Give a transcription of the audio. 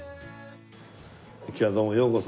今日はどうもようこそ。